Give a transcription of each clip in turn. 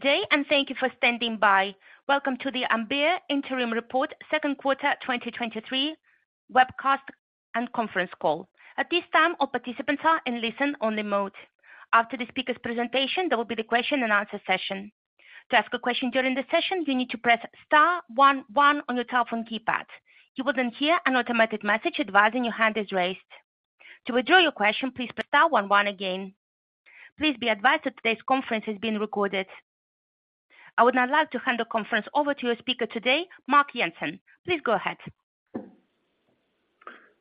Today, and thank you for standing by. Welcome to the Ambea Interim Report second quarter 2023 webcast and conference call. At this time, all participants are in listen-only mode. After the speaker's presentation, there will be the question and answer session. To ask a question during the session, you need to press star 11 on your telephone keypad. You will then hear an automatic message advising your hand is raised. To withdraw your question, please press star 11 again. Please be advised that today's conference is being recorded. I would now like to hand the conference over to your speaker today, Mark Jensen. Please go ahead.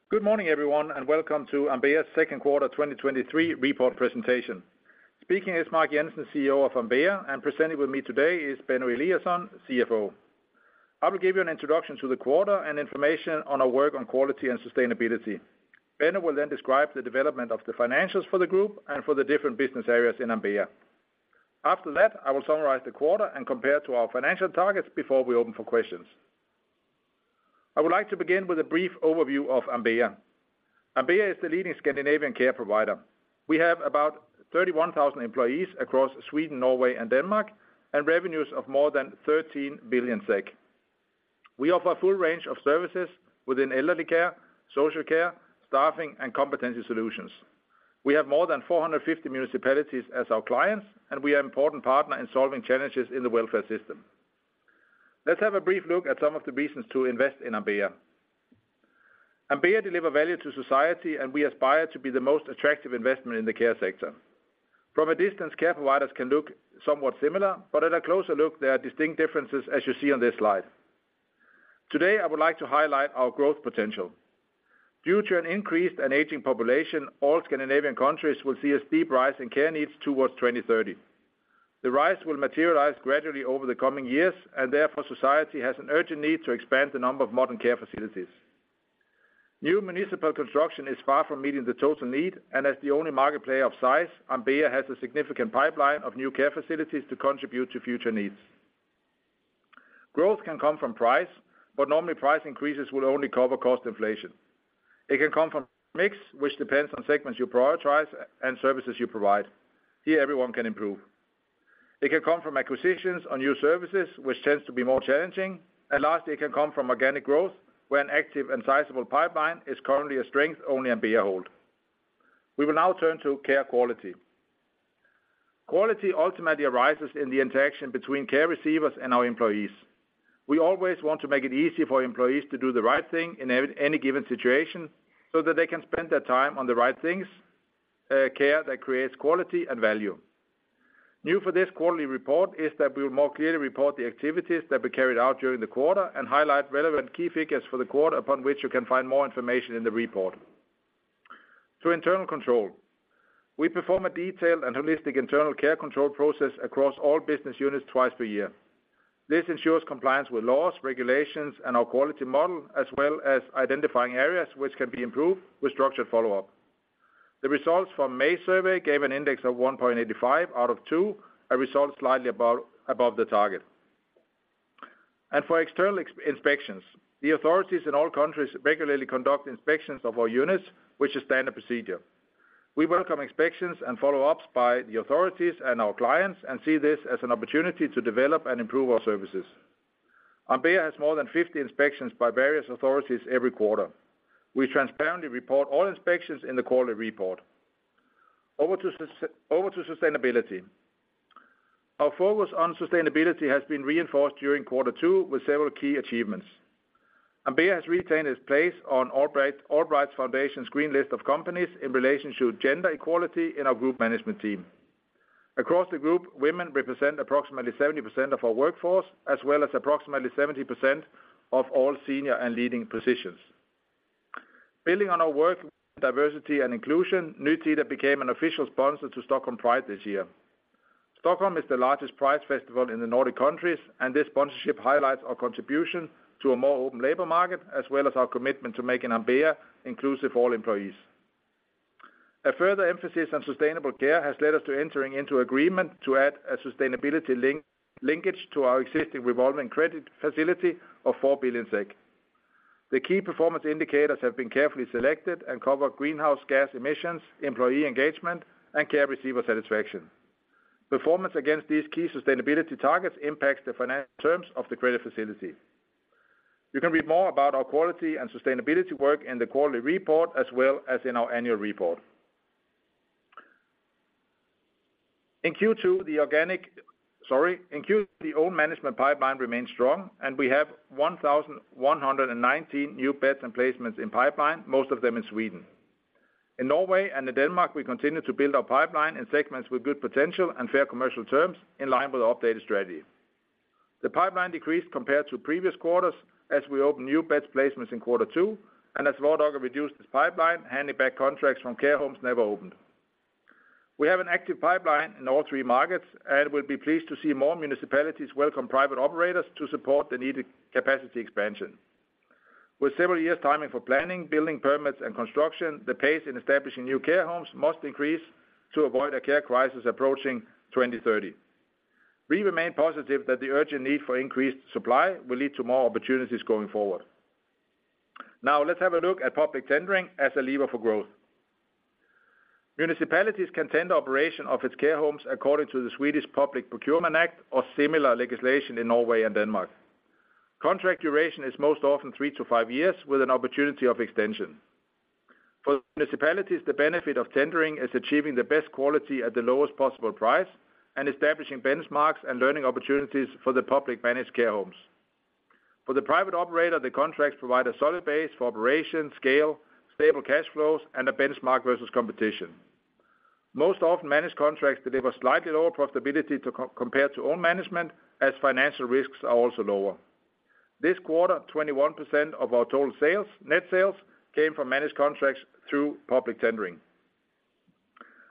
Good morning, everyone, and welcome to Ambea's 2nd quarter 2023 report presentation. Speaking is Mark Jensen, CEO of Ambea, Presenting with me today is Benno Eliasson, CFO. I will give you an introduction to the quarter and information on our work on quality and sustainability. Benno will then describe the development of the financials for the group and for the different business areas in Ambea. After that, I will summarize the quarter and compare to our financial targets before we open for questions. I would like to begin with a brief overview of Ambea. Ambea is the leading Scandinavian care provider. We have about 31,000 employees across Sweden, Norway, and Denmark, Revenues of more than 13 billion SEK. We offer a full range of services within elderly care, social care, staffing, and competency solutions. We have more than 450 municipalities as our clients, and we are important partner in solving challenges in the welfare system. Let's have a brief look at some of the reasons to invest in Ambea. Ambea deliver value to society, and we aspire to be the most attractive investment in the care sector. From a distance, care providers can look somewhat similar, but at a closer look, there are distinct differences, as you see on this slide. Today, I would like to highlight our growth potential. Due to an increased and aging population, all Scandinavian countries will see a steep rise in care needs towards 2030. The rise will materialize gradually over the coming years, and therefore, society has an urgent need to expand the number of modern care facilities. New municipal construction is far from meeting the total need. As the only market player of size, Ambea has a significant pipeline of new care facilities to contribute to future needs. Growth can come from price, but normally price increases will only cover cost inflation. It can come from mix, which depends on segments you prioritize and services you provide. Here, everyone can improve. It can come from acquisitions or new services, which tends to be more challenging. Lastly, it can come from organic growth, where an active and sizable pipeline is currently a strength only Ambea hold. We will now turn to care quality. Quality ultimately arises in the interaction between care receivers and our employees. We always want to make it easy for employees to do the right thing in any given situation so that they can spend their time on the right things, care that creates quality and value. New for this quarterly report is that we will more clearly report the activities that we carried out during the quarter and highlight relevant key figures for the quarter, upon which you can find more information in the report. To internal control, we perform a detailed and holistic internal care control process across all business units twice per year. This ensures compliance with laws, regulations, and our quality model, as well as identifying areas which can be improved with structured follow-up. The results from May survey gave an index of 1.85 out of 2, a result slightly above the target. For external inspections, the authorities in all countries regularly conduct inspections of our units, which is standard procedure. We welcome inspections and follow-ups by the authorities and our clients and see this as an opportunity to develop and improve our services. Ambea has more than 50 inspections by various authorities every quarter. We transparently report all inspections in the quarterly report. Over to sustainability. Our focus on sustainability has been reinforced during Q2 with several key achievements. Ambea has retained its place on Allbright, Allbright Foundation's green list of companies in relation to gender equality in our group management team. Across the group, women represent approximately 70% of our workforce, as well as approximately 70% of all senior and leading positions. Building on our work in diversity and inclusion, Nytida became an official sponsor to Stockholm Pride this year. Stockholm is the largest Pride festival in the Nordic countries. This sponsorship highlights our contribution to a more open labor market, as well as our commitment to making Ambea inclusive to all employees. A further emphasis on sustainable care has led us to entering into agreement to add a sustainability linkage to our existing revolving credit facility of 4 billion SEK. The key performance indicators have been carefully selected and cover greenhouse gas emissions, employee engagement, and care receiver satisfaction. Performance against these key sustainability targets impacts the financial terms of the credit facility. You can read more about our quality and sustainability work in the quarterly report, as well as in our annual report. In Q2, the own management pipeline remains strong. We have 1,119 new beds and placements in pipeline, most of them in Sweden. In Norway and in Denmark, we continue to build our pipeline in segments with good potential and fair commercial terms in line with the updated strategy. The pipeline decreased compared to previous quarters as we opened new beds placements in Q2 and as Vardaga reduced its pipeline, handing back contracts from care homes never opened. We have an active pipeline in all three markets and will be pleased to see more municipalities welcome private operators to support the needed capacity expansion. With several years timing for planning, building permits and construction, the pace in establishing new care homes must increase to avoid a care crisis approaching 2030. We remain positive that the urgent need for increased supply will lead to more opportunities going forward. Now, let's have a look at public tendering as a lever for growth. Municipalities can tend operation of its care homes according to the Swedish Public Procurement Act or similar legislation in Norway and Denmark. Contract duration is most often three to five years, with an opportunity of extension. For municipalities, the benefit of tendering is achieving the best quality at the lowest possible price, and establishing benchmarks and learning opportunities for the public-managed care homes. For the private operator, the contracts provide a solid base for operation, scale, stable cash flows, and a benchmark versus competition. Most often, managed contracts deliver slightly lower profitability compared to own management, as financial risks are also lower. This quarter, 21% of our total sales, net sales, came from managed contracts through public tendering.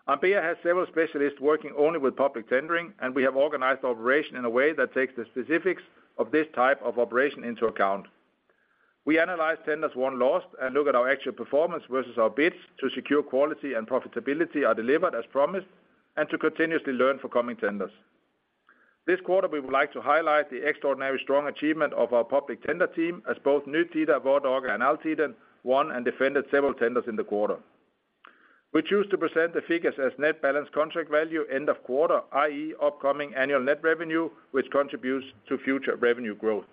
Ambea has several specialists working only with public tendering, and we have organized operation in a way that takes the specifics of this type of operation into account. We analyze tenders won, lost, and look at our actual performance versus our bids to secure quality and profitability are delivered as promised, and to continuously learn for coming tenders. This quarter, we would like to highlight the extraordinary strong achievement of our public tender team, as both Nytida, Vardaga, and Altiden won and defended several tenders in the quarter. We choose to present the figures as net balance contract value, end of quarter, i.e., upcoming annual net revenue, which contributes to future revenue growth.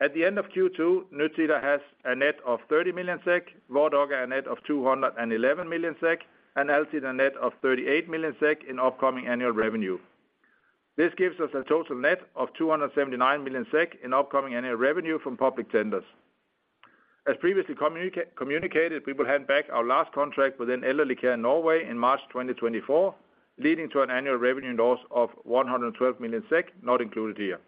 At the end of Q2, Nytida has a net of 30 million SEK, Vardaga a net of 211 million SEK, and Altiden a net of 38 million SEK in upcoming annual revenue. This gives us a total net of 279 million SEK in upcoming annual revenue from public tenders. As previously communicated, we will hand back our last contract within Elderly Care Norway in March 2024, leading to an annual revenue loss of 112 million SEK, not included here.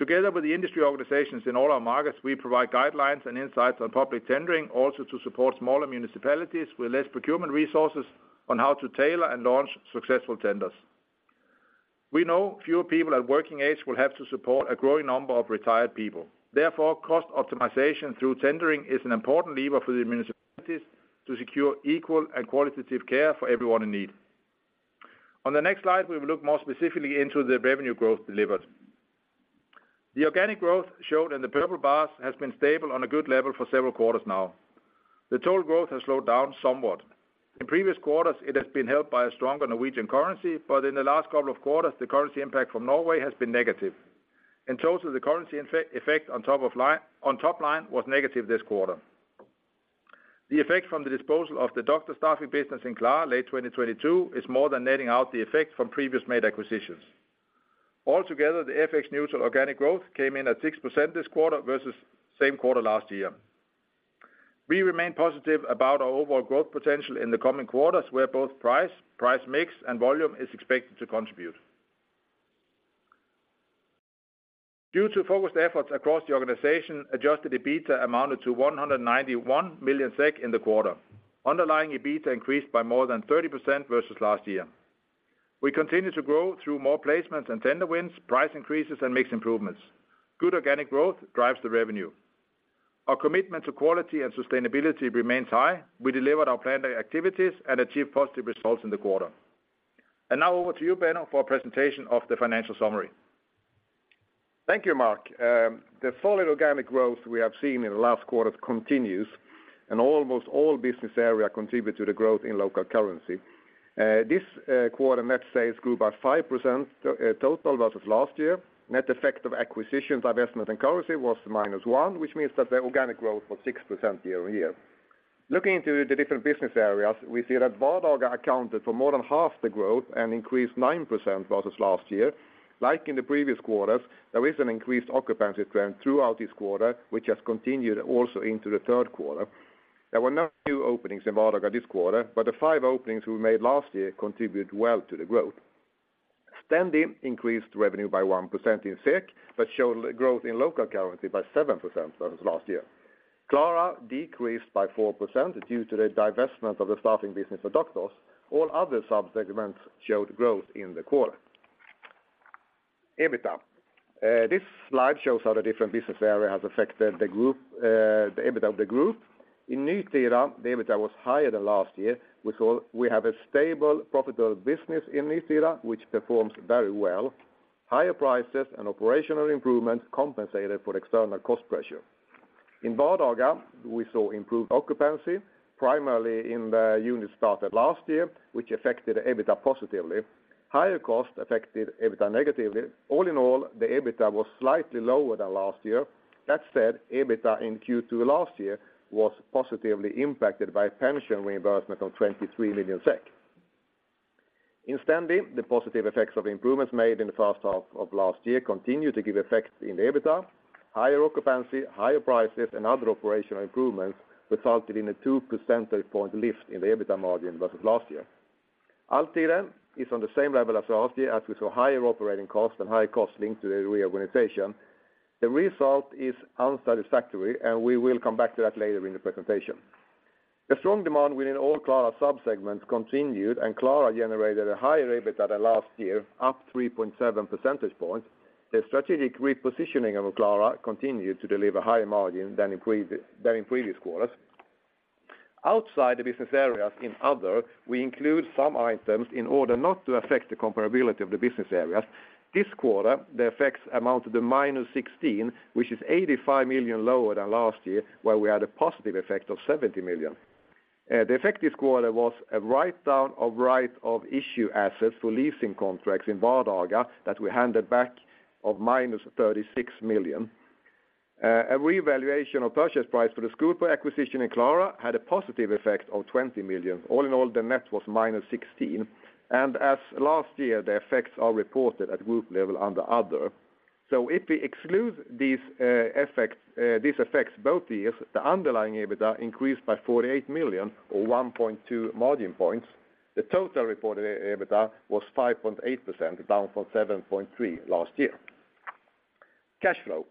Together with the industry organizations in all our markets, we provide guidelines and insights on public tendering, also to support smaller municipalities with less procurement resources on how to tailor and launch successful tenders. We know fewer people at working age will have to support a growing number of retired people. Therefore, cost optimization through tendering is an important lever for the municipalities to secure equal and qualitative care for everyone in need. On the next slide, we will look more specifically into the revenue growth delivered. The organic growth, shown in the purple bars, has been stable on a good level for several quarters now. The total growth has slowed down somewhat. In previous quarters, it has been helped by a stronger Norwegian currency. In the last couple of quarters, the currency impact from Norway has been negative. In total, the currency effect on top line was negative this quarter. The effect from the disposal of the doctor staffing business in Klara, late 2022, is more than netting out the effect from previous made acquisitions. Altogether, the FX neutral organic growth came in at 6% this quarter, versus same quarter last year. We remain positive about our overall growth potential in the coming quarters, where both price, price mix, and volume is expected to contribute. Due to focused efforts across the organization, adjusted EBITDA amounted to 191 million SEK in the quarter. Underlying EBITDA increased by more than 30% versus last year. We continue to grow through more placements and tender wins, price increases, and mix improvements. Good organic growth drives the revenue. Our commitment to quality and sustainability remains high. We delivered our planned activities and achieved positive results in the quarter. Now over to you, Benno, for a presentation of the financial summary. Thank you, Mark. The solid organic growth we have seen in the last quarter continues, and almost all business area contribute to the growth in local currency. This quarter, net sales grew by 5%, total versus last year. Net effect of acquisitions, divestment, and currency was -1%, which means that the organic growth was 6% year-over-year. Looking into the different business areas, we see that Vardaga accounted for more than half the growth and increased 9% versus last year. Like in the previous quarters, there is an increased occupancy trend throughout this quarter, which has continued also into the third quarter. There were no new openings in Vardaga this quarter, but the five openings we made last year contributed well to the growth. Stendi increased revenue by 1% in SEK, showed growth in local currency by 7% versus last year. Klara decreased by 4% due to the divestment of the staffing business for doctors. All other sub-segments showed growth in the quarter. EBITDA. This slide shows how the different business area has affected the group, the EBITDA of the group. In Nytida, the EBITDA was higher than last year. We have a stable, profitable business in Nytida, which performs very well. Higher prices and operational improvements compensated for the external cost pressure. In Vardaga, we saw improved occupancy, primarily in the units started last year, which affected EBITDA positively. Higher costs affected EBITDA negatively. All in all, the EBITDA was slightly lower than last year. That said, EBITDA in Q2 last year was positively impacted by pension reimbursement of 23 million SEK. In Stendi, the positive effects of improvements made in the first half of last year continued to give effect in the EBITDA. Higher occupancy, higher prices, and other operational improvements resulted in a 2 percentage point lift in the EBITDA margin versus last year. Altiden is on the same level as last year, as we saw higher operating costs and higher costs linked to the reorganization. The result is unsatisfactory, and we will come back to that later in the presentation. The strong demand within all Klara sub-segments continued, and Klara generated a higher EBITDA than last year, up 3.7 percentage points. The strategic repositioning of Klara continued to deliver higher margin than in previ- than in previous quarters. Outside the business areas, in other, we include some items in order not to affect the comparability of the business areas. This quarter, the effects amounted to -16%, which is 85 million lower than last year, where we had a positive effect of 70 million. The effective quarter was a write-down of right-of-use assets for leasing contracts in Vardaga that we handed back of -36 million. A revaluation of purchase price for the SkolPool acquisition in Klara had a positive effect of 20 million. All in all, the net was -16%, and as last year, the effects are reported at group level under other. If we exclude these effects, these effects both years, the underlying EBITDA increased by 48 million or 1.2 margin points. The total reported EBITDA was 5.8%, down from 7.3% last year. Cash flow.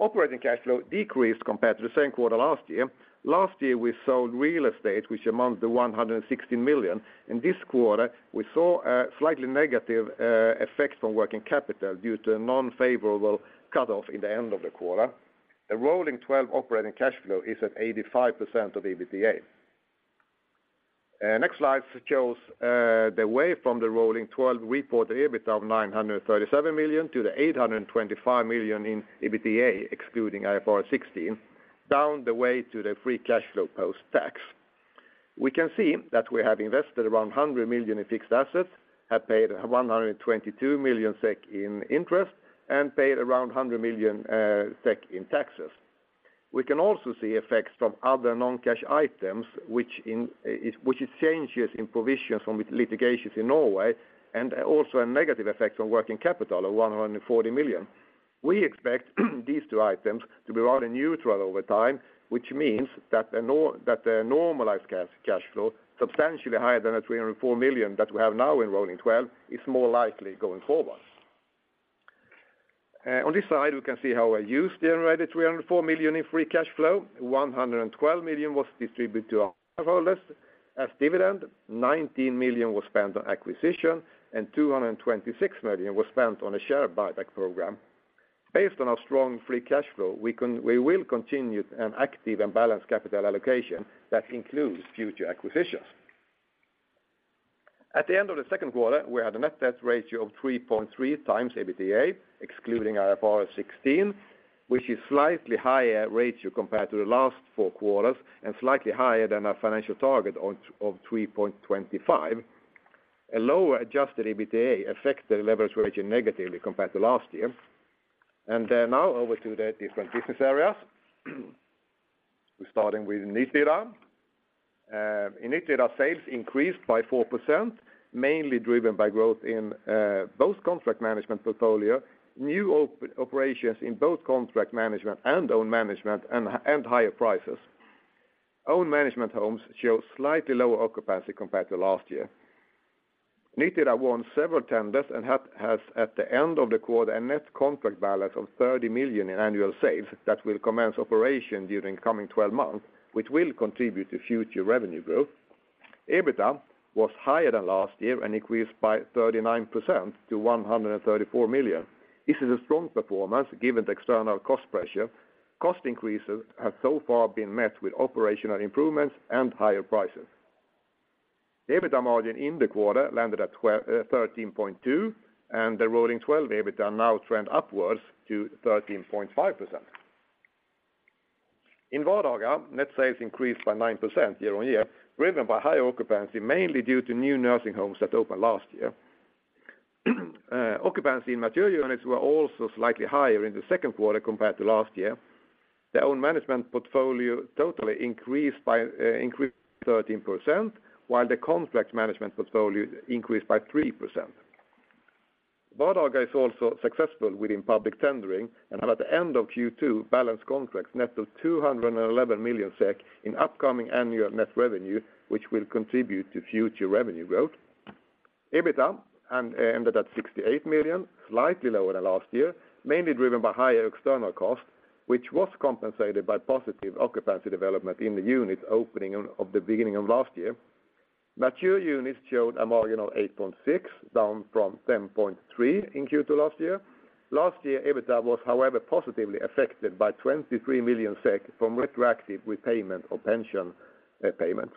Operating cash flow decreased compared to the same quarter last year. Last year, we sold real estate, which amounts to 160 million. In this quarter, we saw a slightly negative effect from working capital due to a non-favorable cut off in the end of the quarter. A rolling 12 months operating cash flow is at 85% of EBITDA. Next slide shows the way from the rolling 12 months report EBITDA of 937 million to the 825 million in EBITDA, excluding IFRS 16, down the way to the free cash flow post tax. We can see that we have invested around 100 million in fixed assets, have paid 122 million SEK in interest, and paid around 100 million SEK in taxes. We can also see effects from other non-cash items, which is changes in provisions from litigations in Norway, and also a negative effect on working capital of 140 million. We expect these two items to be rather neutral over time, which means that the normalized cash, cash flow, substantially higher than the 304 million that we have now in rolling twelve, is more likely going forward. On this side, we can see how we used the generated 304 million in free cash flow. 112 million was distributed to our shareholders as dividend, 19 million was spent on acquisition, and 226 million was spent on a share buyback program. Based on our strong free cash flow, we will continue an active and balanced capital allocation that includes future acquisitions. At the end of the second quarter, we had a net debt ratio of 3.3x EBITDA, excluding IFRS 16, which is slightly higher ratio compared to the last four quarters and slightly higher than our financial target of 3.25x. A lower adjusted EBITDA affects the leverage ratio negatively compared to last year. And now over to the different business areas. We're starting with Nytida. In Nytida, sales increased by 4%, mainly driven by growth in both contract management portfolio, new operations in both contract management and own management, and higher prices. Own management homes show slightly lower occupancy compared to last year. Nytida won several tenders and had- has, at the end of the quarter, a net contract balance of 30 million in annual sales that will commence operation during coming 12 months, which will contribute to future revenue growth. EBITDA was higher than last year and increased by 39% to 134 million. This is a strong performance, given the external cost pressure. Cost increases have so far been met with operational improvements and higher prices. The EBITDA margin in the quarter landed at 13.2%, and the rolling 12 EBITDA now trend upwards to 13.5%. In Vardaga, net sales increased by 9% year-on-year, driven by higher occupancy, mainly due to new nursing homes that opened last year. Occupancy in mature units were also slightly higher in the second quarter compared to last year. The own management portfolio totally increased by increased 13%, while the contract management portfolio increased by 3%. Vardaga is also successful within public tendering, and at the end of Q2, balanced contracts net of 211 million SEK in upcoming annual net revenue, which will contribute to future revenue growth. EBITDA ended at 68 million, slightly lower than last year, mainly driven by higher external costs, which was compensated by positive occupancy development in the units opening of the beginning of last year. Mature units showed a margin of 8.6%, down from 10.3% in Q2 last year. Last year, EBITDA was, however, positively affected by 23 million SEK from retroactive repayment of pension payments.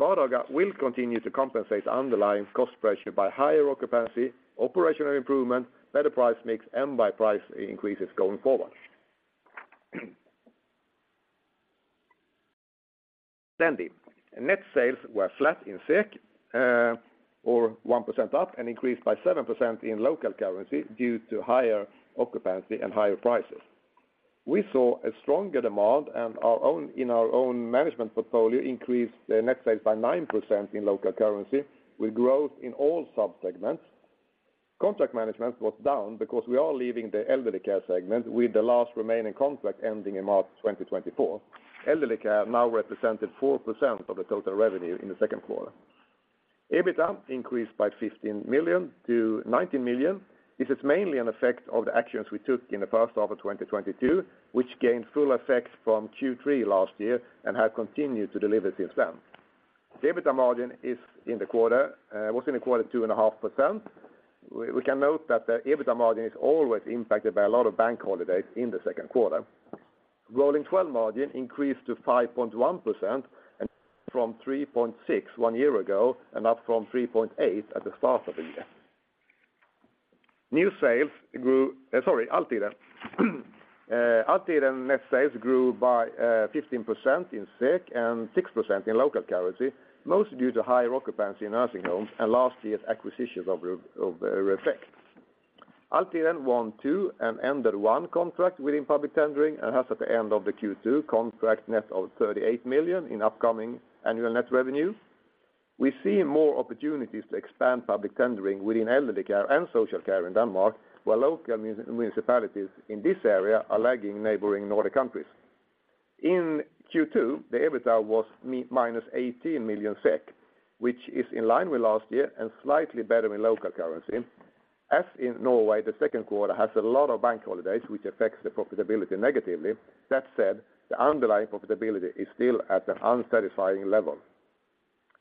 Vardaga will continue to compensate underlying cost pressure by higher occupancy, operational improvement, better price mix, and by price increases going forward. Standing, net sales were flat in SEK, or 1% up, and increased by 7% in local currency due to higher occupancy and higher prices. We saw a stronger demand, and in our own management portfolio, increased the net sales by 9% in local currency, with growth in all sub-segments. Contract management was down because we are leaving the elderly care segment, with the last remaining contract ending in March 2024. Elderly care now represented 4% of the total revenue in the Q2. EBITDA increased by 15 million to 19 million. This is mainly an effect of the actions we took in the first half of 2022, which gained full effect from Q3 last year and have continued to deliver since then. The EBITDA margin is in the quarter, was in the quarter 2.5%. We can note that the EBITDA margin is always impacted by a lot of bank holidays in the second quarter. Rolling 12 margin increased to 5.1% and from 3.6 one year ago, and up from 3.8 at the start of the year. New sales grew, Altiden net sales grew by 15% in SEK and 6% in local currency, most due to high occupancy in nursing homes and last year's acquisitions of Reflekt. Altiden won two and ended one contract within public tendering, and has, at the end of the Q2, contract net of 38 million in upcoming annual net revenue. We see more opportunities to expand public tendering within elderly care and social care in Denmark, where local municipalities in this area are lagging neighboring Nordic countries. In Q2, the EBITDA was -18 million SEK, which is in line with last year and slightly better in local currency. As in Norway, the second quarter has a lot of bank holidays, which affects the profitability negatively. That said, the underlying profitability is still at an unsatisfying level.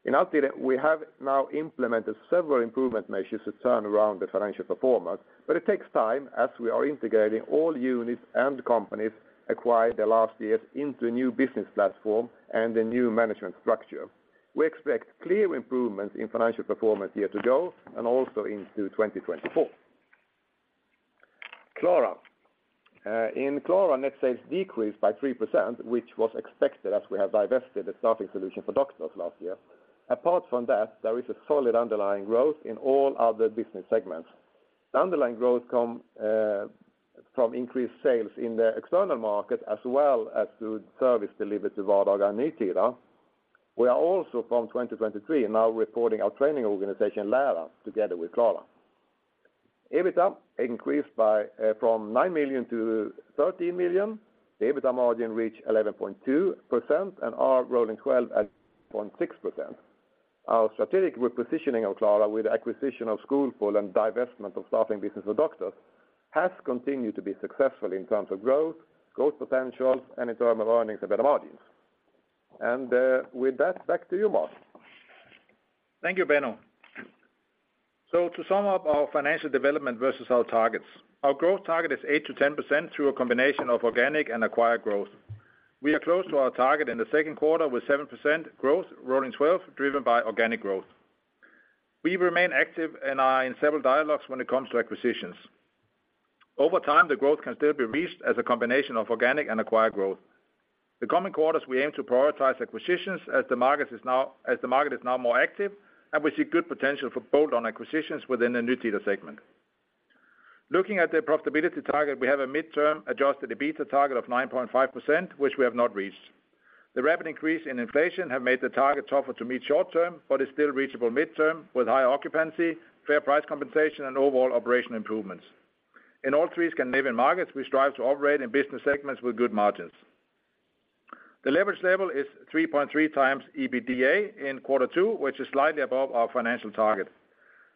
In Altiden, we have now implemented several improvement measures to turn around the financial performance, but it takes time as we are integrating all units and companies acquired the last years into a new business platform and a new management structure. We expect clear improvement in financial performance year to go and also into 2024. Klara. In Klara, net sales decreased by 3%, which was expected as we have divested the staffing solution for doctors last year. Apart from that, there is a solid underlying growth in all other business segments. The underlying growth come from increased sales in the external market, as well as through service delivered to Vardaga Nytida. We are also, from 2023, now reporting our training organization, Lära, together with Klara. EBITDA increased by from 9 million to 13 million. The EBITDA margin reached 11.2%, and our rolling twelve at 0.6%. Our strategic repositioning of Klara with acquisition of SkolPool and divestment of staffing business with doctors has continued to be successful in terms of growth, growth potential, and in term of earnings and better margins. With that, back to you, Mark. Thank you, Benno. To sum up our financial development versus our targets, our growth target is 8%-10% through a combination of organic and acquired growth. We are close to our target in the second quarter with 7% growth, rolling 12, driven by organic growth. We remain active and are in several dialogues when it comes to acquisitions. Over time, the growth can still be reached as a combination of organic and acquired growth. The coming quarters, we aim to prioritize acquisitions as the market is now more active, and we see good potential for bolt-on acquisitions within the Nytida segment. Looking at the profitability target, we have a midterm adjusted EBITDA target of 9.5%, which we have not reached. The rapid increase in inflation have made the target tougher to meet short term, but is still reachable midterm with high occupancy, fair price compensation, and overall operational improvements. In all three Scandinavian markets, we strive to operate in business segments with good margins. The leverage level is 3.3x EBITDA in Q2, which is slightly above our financial target.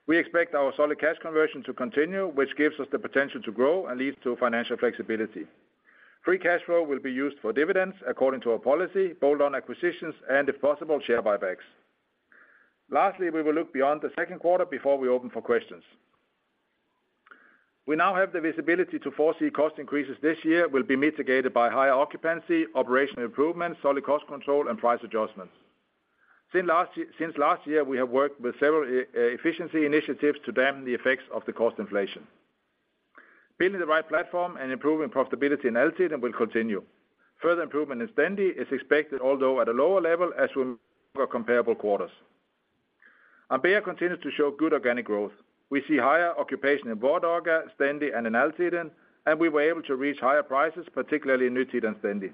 We expect our solid cash conversion to continue, which gives us the potential to grow and leads to financial flexibility. Free cash flow will be used for dividends according to our policy, bolt-on acquisitions, and, if possible, share buybacks. Lastly, we will look beyond the Q2 before we open for questions. We now have the visibility to foresee cost increases this year will be mitigated by higher occupancy, operational improvements, solid cost control, and price adjustments. Since last year, since last year, we have worked with several e- efficiency initiatives to dampen the effects of the cost inflation. Building the right platform and improving profitability in Altiden will continue. Further improvement in Stendi is expected, although at a lower level, as we move over comparable quarters. Ambea continues to show good organic growth. We see higher occupation in Vardaga, Stendi, and in Altiden, and we were able to reach higher prices, particularly in Nytida and Stendi.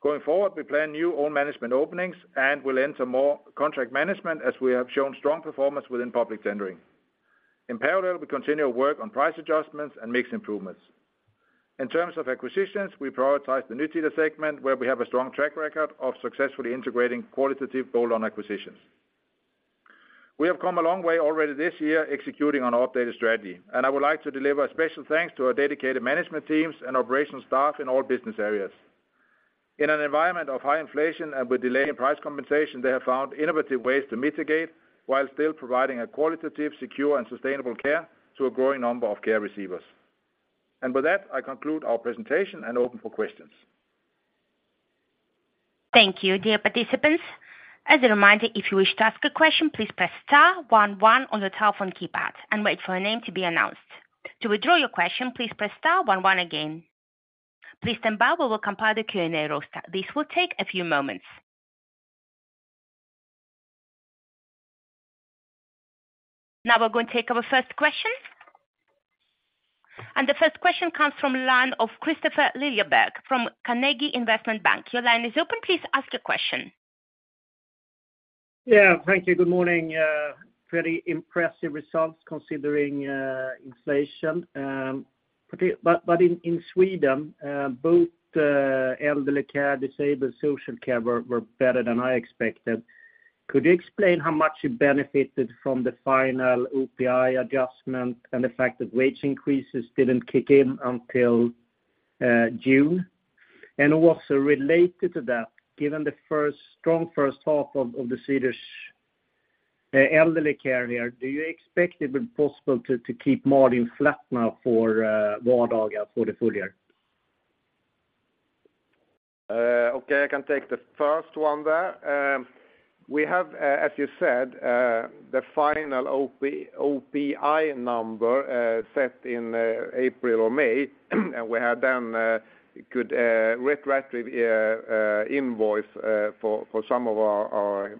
Going forward, we plan new own management openings and will enter more contract management, as we have shown strong performance within public tendering. In parallel, we continue to work on price adjustments and mix improvements. In terms of acquisitions, we prioritize the Nytida segment, where we have a strong track record of successfully integrating qualitative bolt-on acquisitions. We have come a long way already this year executing on our updated strategy. I would like to deliver a special thanks to our dedicated management teams and operational staff in all business areas. In an environment of high inflation and with delay in price compensation, they have found innovative ways to mitigate, while still providing a qualitative, secure, and sustainable care to a growing number of care receivers. With that, I conclude our presentation and open for questions. Thank you, dear participants. As a reminder, if you wish to ask a question, please press star one one on your telephone keypad and wait for your name to be announced. To withdraw your question, please press star one one again. Please stand by, we will compile the Q&A roster. This will take a few moments. Now we're going to take our first question. The first question comes from line of Kristofer Liljeberg from Carnegie Investment Bank. Your line is open, please ask your question. Yeah, thank you. Good morning. Pretty impressive results, considering inflation. In Sweden, both elderly care, disabled, social care were better than I expected. Could you explain how much you benefited from the final OPI adjustment and the fact that wage increases didn't kick in until June? Also related to that, given the first strong first half of the Swedish elderly care here, do you expect it would be possible to keep margin flat now for Vardaga for the full year? Okay, I can take the first one there. We have, as you said, the final OPI number set in April or May, and we have then could retroactively invoice for some of our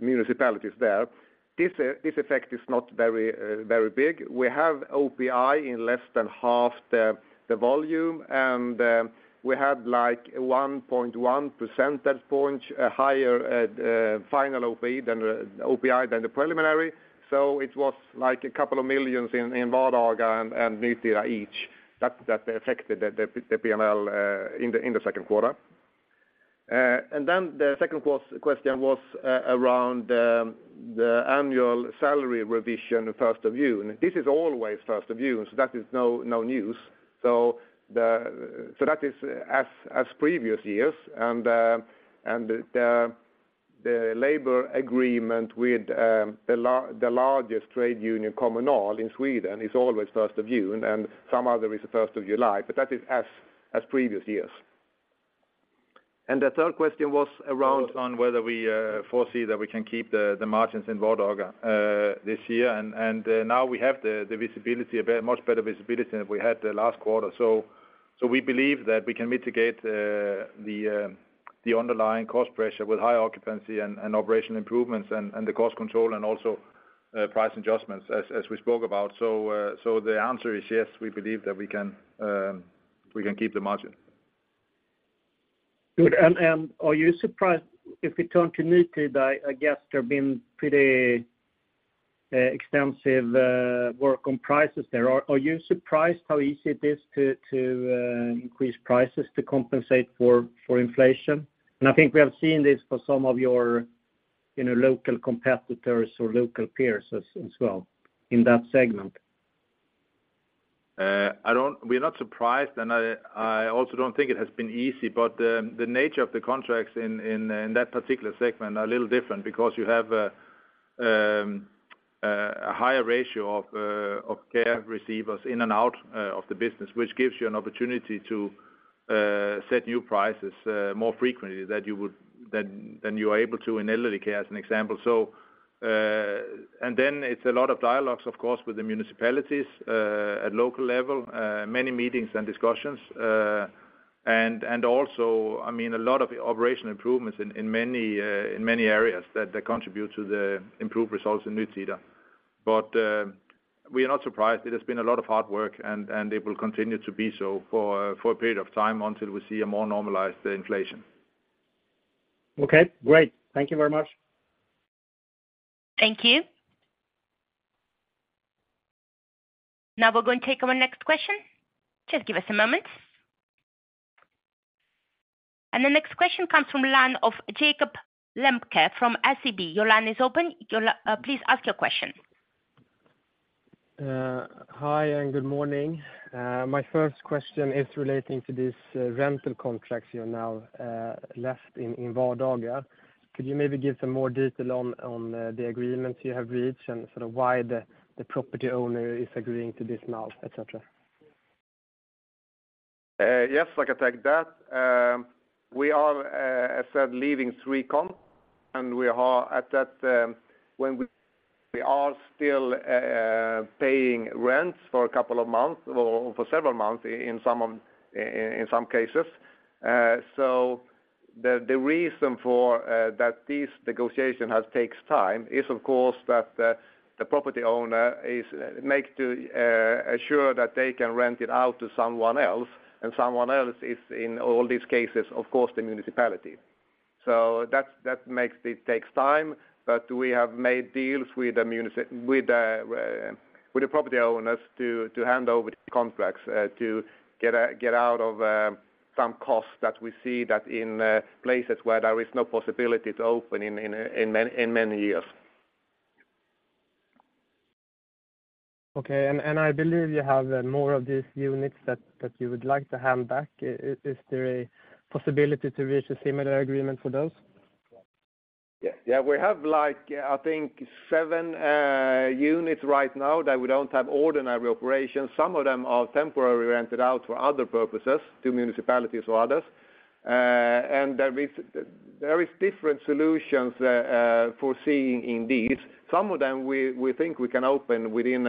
municipalities there. This effect is not very big. We have OPI in less than half the volume, and we had, like, 1.1% that point higher at final OPI than the preliminary. It was like a couple of million in Vardaga and Nytida each, that affected the P&L in the second quarter. The second question was around the annual salary revision, first of June. This is always 1st of June, so that is no, no news. That is as, as previous years, and the labor agreement with the largest trade union Kommunal in Sweden is always 1st of June, and some other is the 1st of July, but that is as, as previous years. The 3rd question was around- On whether we foresee that we can keep the margins in Vardaga this year. And now we have the visibility, a very much better visibility than we had the last quarter. So we believe that we can mitigate the underlying cost pressure with high occupancy and, and operation improvements and, and the cost control and also price adjustments, as, as we spoke about. So the answer is yes, we believe that we can we can keep the margin. Good. Are you surprised, if we turn to Nytida, I guess there have been pretty extensive work on prices there. Are you surprised how easy it is to increase prices to compensate for inflation? I think we have seen this for some of your, you know, local competitors or local peers as well in that segment. I don't- We're not surprised. I, I also don't think it has been easy, but the nature of the contracts in, in, in that particular segment are a little different because you have a higher ratio of care receivers in and out of the business, which gives you an opportunity to set new prices more frequently, that you would, than, than you are able to in elderly care, as an example. It's a lot of dialogues, of course, with the municipalities at local level, many meetings and discussions, and also, I mean, a lot of the operational improvements in, in many, in many areas that, that contribute to the improved results in Nytida. We are not surprised. It has been a lot of hard work, and it will continue to be so for, for a period of time until we see a more normalized inflation. Okay, great. Thank you very much. Thank you. Now we're going to take our next question. Just give us a moment. The next question comes from the line of Jakob Lemke, from SEB. Your line is open. Please ask your question. Hi, and good morning. My first question is relating to this rental contracts you're now left in, in Vardaga. Could you maybe give some more detail on, on the agreements you have reached and sort of why the, the property owner is agreeing to this now, et cetera? Yes, I can take that. We are, as said, leaving Three Com, and we are at that, when we, we are still, paying rents for a couple of months or for several months in some of, in some cases. The, the reason for, that this negotiation has takes time is, of course, that, the property owner is make to, assure that they can rent it out to someone else, and someone else is, in all these cases, of course, the municipality. That's, that makes it takes time, but we have made deals with the munic- with the, with the property owners to, to hand over the contracts, to get out, get out of some costs that we see that in, in places where there is no possibility to open in, in many, in many years. Okay, I believe you have more of these units that, that you would like to hand back. Is there a possibility to reach a similar agreement for those? Yeah. Yeah, we have, like, I think, 7 units right now that we don't have ordinary operations. Some of them are temporarily rented out for other purposes to municipalities or others. There is, there is different solutions foreseeing in these. Some of them we, we think we can open within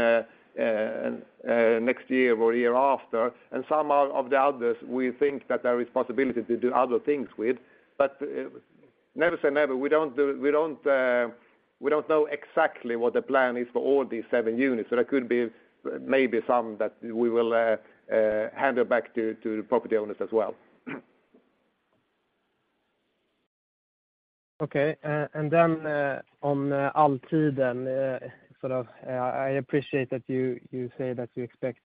next year or year after, and some of the others we think that there is possibility to do other things with. Never say never, we don't do, we don't, we don't know exactly what the plan is for all these 7 units, so there could be maybe some that we will hand it back to the property owners as well. Okay, and then, on Altiden, sort of, I appreciate that you, you say that you expect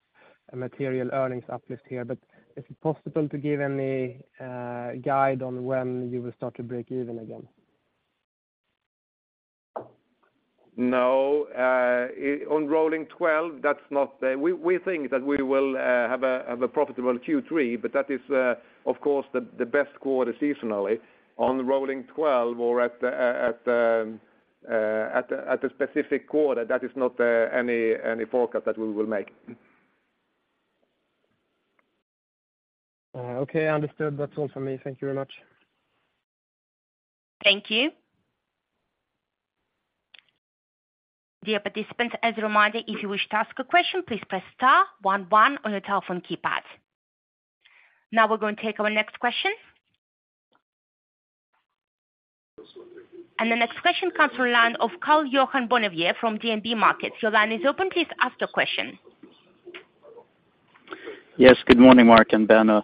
a material earnings uplift here, but is it possible to give any guide on when you will start to break even again? No, on rolling twelve, that's not the. We, we think that we will, have a, have a profitable Q3, but that is, of course, the, the best quarter seasonally. On rolling twelve or at the, at.... at the specific quarter, that is not any forecast that we will make. Okay, understood. That's all for me. Thank you very much. Thank you. Dear participants, as a reminder, if you wish to ask a question, please press star 11 on your telephone keypad. Now we're going to take our next question. The next question comes from the line of Karl-Johan Bonnier from DNB Markets. Your line is open. Please ask your question. Yes, good morning, Mark and Benno.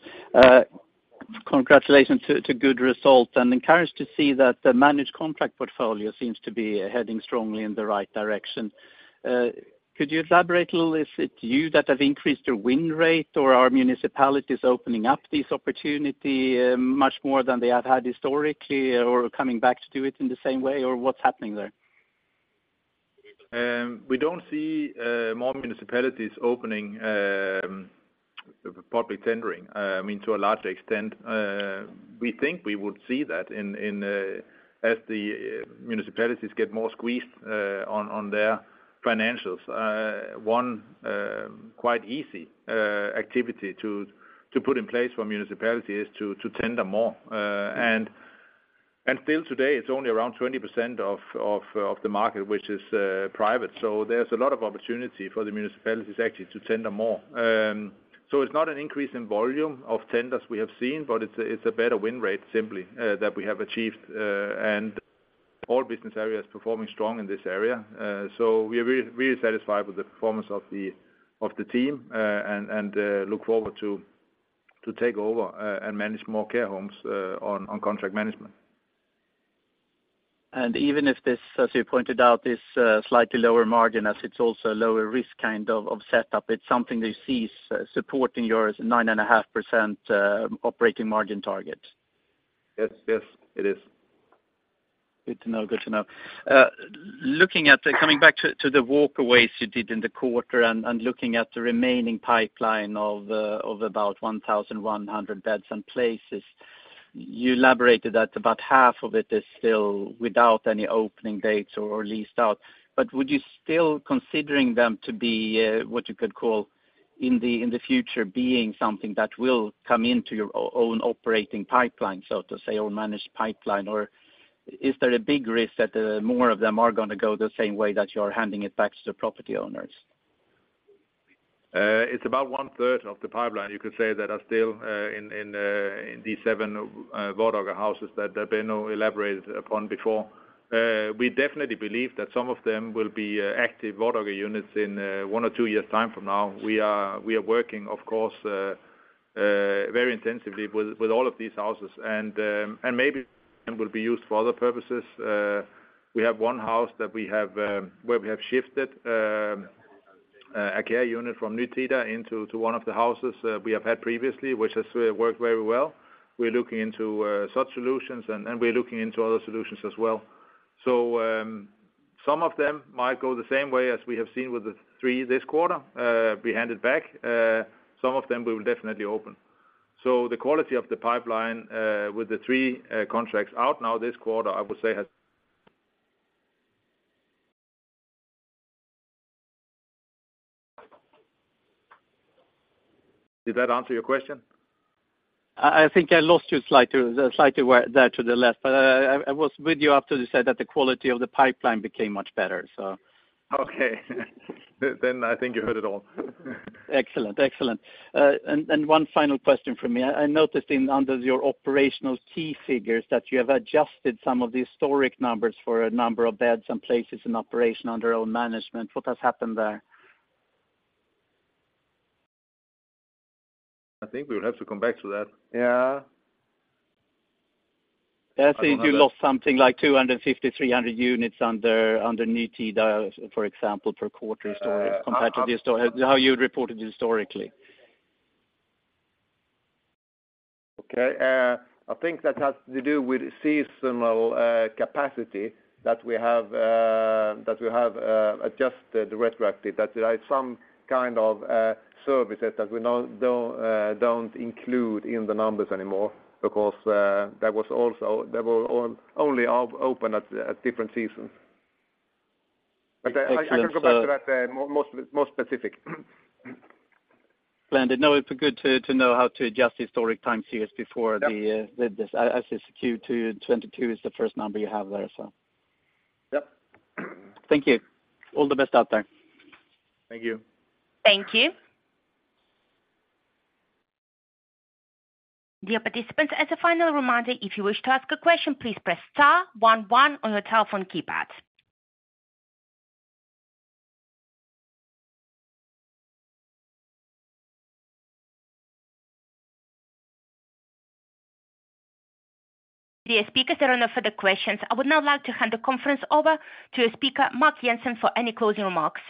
Congratulations to, to good results, and encouraged to see that the managed contract portfolio seems to be heading strongly in the right direction. Could you elaborate a little, is it you that have increased your win rate, or are municipalities opening up this opportunity, much more than they have had historically, or coming back to do it in the same way, or what's happening there? We don't see more municipalities opening public tendering, I mean, to a large extent. We think we would see that in, in as the municipalities get more squeezed on their financials. One quite easy activity to put in place for municipality is to tender more. Still today, it's only around 20% of the market, which is private. There's a lot of opportunity for the municipalities actually to tender more. It's not an increase in volume of tenders we have seen, but it's a better win rate, simply, that we have achieved, and all business areas performing strong in this area. We are really, really satisfied with the performance of the, of the team, and, and, look forward to, to take over, and manage more care homes, on, on contract management. Even if this, as you pointed out, is slightly lower margin, as it's also a lower risk kind of, of setup, it's something that sees supporting yours 9.5% operating margin target? Yes. Yes, it is. Good to know. Good to know. Looking at the coming back to, to the walkaways you did in the quarter and, and looking at the remaining pipeline of about 1,100 beds and places, you elaborated that about half of it is still without any opening dates or leased out. Would you still considering them to be, what you could call in the, in the future, being something that will come into your own operating pipeline, so to say, or managed pipeline, or is there a big risk that more of them are gonna go the same way that you're handing it back to the property owners? It's about one third of the pipeline, you could say, that are still in these 7 Vardaga houses that, that Benno elaborated upon before. We definitely believe that some of them will be active Vardaga units in 1 or 2 years' time from now. We are, we are working, of course, very intensively with, with all of these houses, and maybe some will be used for other purposes. We have 1 house that we have where we have shifted a care unit from Nytida into, to 1 of the houses, we have had previously, which has worked very well. We're looking into such solutions, and, and we're looking into other solutions as well. Some of them might go the same way as we have seen with the three this quarter, be handed back. Some of them we will definitely open. The quality of the pipeline, with the three contracts out now this quarter, I would say has... Did that answer your question? I think I lost you slightly, slightly there to the last, but I, I, I was with you after you said that the quality of the pipeline became much better, so. Okay. Then I think you heard it all. Excellent. Excellent. One final question from me. I noticed in, under your operational key figures, that you have adjusted some of the historic numbers for a number of beds and places in operation under own management. What has happened there? I think we would have to come back to that. Yeah. I think you lost something like 250, 300 units under Nytida, for example, per quarter historically, compared to how you had reported historically. Okay. I think that has to do with seasonal capacity that we have, that we have, adjusted retrospectively. There are some kind of services that we now don't, don't include in the numbers anymore because, that was also, they were only open at, at different seasons. Excellent. I, I can go back to that, more, more specific. No, it's good to know how to adjust the historic time series before the. Yep... as this Q2 2022 is the first number you have there, so. Yep. Thank you. All the best out there. Thank you. Thank you. Dear participants, as a final reminder, if you wish to ask a question, please press star one one on your telephone keypad. Dear speakers, there are no further questions. I would now like to hand the conference over to speaker Mark Jensen for any closing remarks.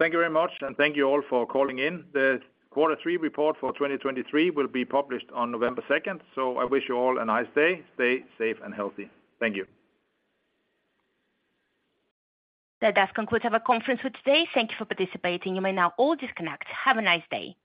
Thank you very much, thank you all for calling in. The quarter three report for 2023 will be published on November 2nd. I wish you all a nice day. Stay safe and healthy. Thank you. That does conclude our conference for today. Thank you for participating. You may now all disconnect. Have a nice day.